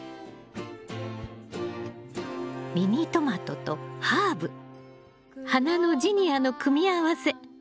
ミニトマトとハーブ花のジニアの組み合わせ。